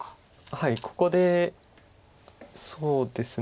はいここでそうですね。